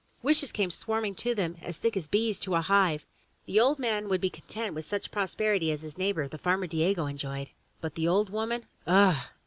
Wishes came swarming to them as thick as bees to a hive. The old man would be content with such prosperity as his neighbor, the farmer Diego, enjoyed, but the old woman — ah!